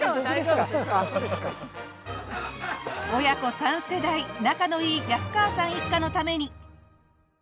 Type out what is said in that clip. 親子３世代仲のいい安川さん一家のために。